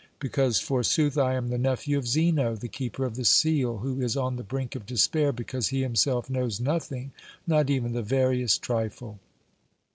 Because, forsooth, I am the nephew of Zeno, the Keeper of the Seal, who is on the brink of despair because he himself knows nothing, not even the veriest trifle."